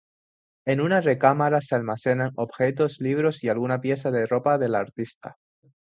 En una recámara se almacenan objetos, libros y alguna pieza de ropa del artista.